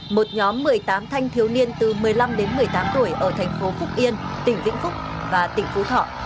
một nhóm một mươi tám thanh thiếu niên từ một mươi năm đến một mươi tám tuổi ở thành phố phúc yên tỉnh vĩnh phúc và tỉnh phú thọ